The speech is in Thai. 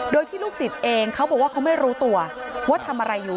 โดยที่ลูกศิษย์เองเขาบอกว่าเขาไม่รู้ตัวว่าทำอะไรอยู่